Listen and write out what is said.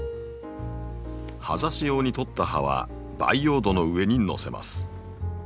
葉ざし用に取った葉は培養土の上にのせます。